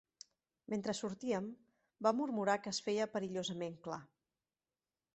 Mentre sortíem, van murmurar que es feia perillosament clar.